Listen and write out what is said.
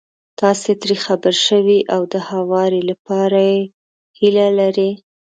تاسې ترې خبر شوي او د هواري لپاره يې هيله لرئ.